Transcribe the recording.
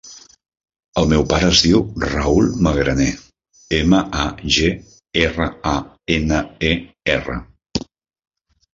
El meu pare es diu Raül Magraner: ema, a, ge, erra, a, ena, e, erra.